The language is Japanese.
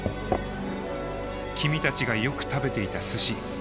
君たちがよく食べていた寿司。